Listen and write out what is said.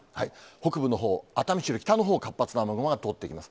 北部のほう、熱海市より北のほうを活発な雨雲が通っていきます。